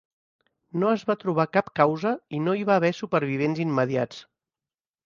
No es va trobar cap causa i no hi va haver supervivents immediats.